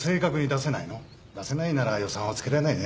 出せないなら予算はつけられないね。